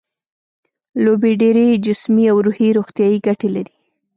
لوبې ډېرې جسمي او روحي روغتیايي ګټې لري.